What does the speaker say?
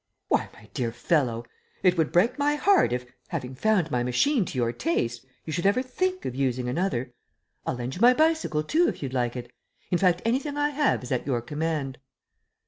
"Why, my dear fellow, it would break my heart if, having found my machine to your taste, you should ever think of using another. I'll lend you my bicycle, too, if you'd like it in fact, anything I have is at your command."